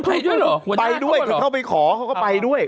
ไปด้วยเหรอหัวหน้าเข้าว่าเหรอหัวหน้าเข้าว่าเข้าไปขอเขาก็ไปด้วย